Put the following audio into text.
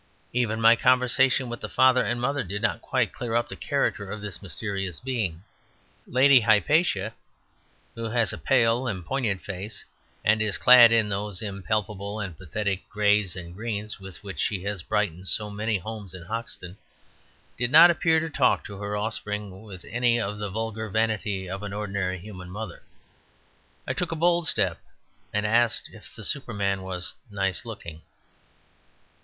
Even my conversation with the father and mother did not quite clear up the character of this mysterious being. Lady Hypatia, who has a pale and poignant face, and is clad in those impalpable and pathetic greys and greens with which she has brightened so many homes in Hoxton, did not appear to talk of her offspring with any of the vulgar vanity of an ordinary human mother. I took a bold step and asked if the Superman was nice looking.